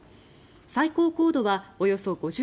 最高高度はおよそ５０ｋｍ